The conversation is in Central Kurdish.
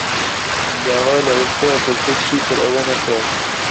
داوا لە ڕزگار دەکرێت چیتر ئەوە نەکات.